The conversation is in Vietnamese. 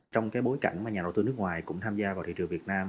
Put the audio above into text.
trong bối cảnh nhà đầu tư nước ngoài cũng tham gia vào thị trường việt nam